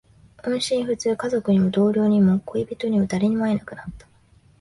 音信不通。家族にも、同僚にも、恋人にも、誰にも会えなくなった。